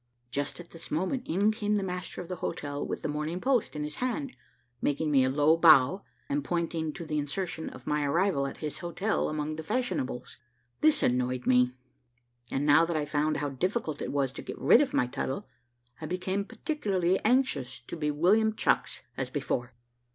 "Just at this moment in came the master of the hotel, with the Morning Post in his hand, making me a low bow, and pointing to the insertion of my arrival at his hotel among the fashionables. This annoyed me; and now that I found how difficult it was to get rid of my title, I became particularly anxious to be William Chucks, as before.